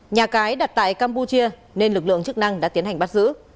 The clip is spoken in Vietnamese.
nhà cái đặt tại campuchia nên lực lượng chức năng đã tiến hành bắt giữ